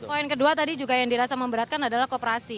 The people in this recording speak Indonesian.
poin kedua tadi juga yang dirasa memberatkan adalah kooperasi